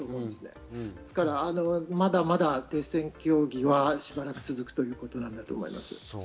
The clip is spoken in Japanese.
ですから、まだまだ停戦協議はしばらく続くということだと思います。